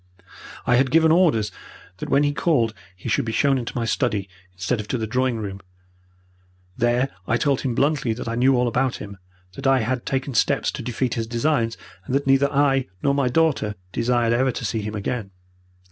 I had given orders that when he called he should be shown into my study instead of to the drawing room. There I told him bluntly that I knew all about him, that I had taken steps to defeat his designs, and that neither I nor my daughter desired ever to see him again.